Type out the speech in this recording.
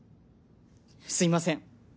すいません。